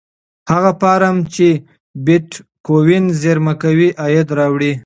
هغه فارم چې بېټکوین زېرمه کوي عاید راوړي.